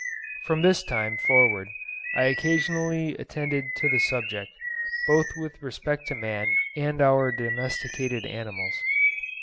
From this time forward I occasionally attended to the subject, both with respect to man and our domesticated animals.